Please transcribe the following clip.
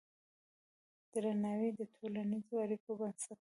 درناوی د ټولنیزو اړیکو بنسټ دی.